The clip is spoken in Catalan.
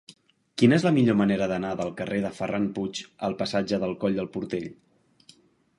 Quina és la millor manera d'anar del carrer de Ferran Puig al passatge del Coll del Portell?